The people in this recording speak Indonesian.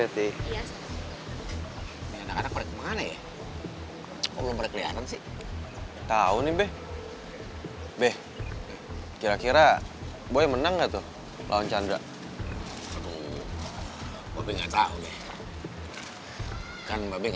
terima kasih meti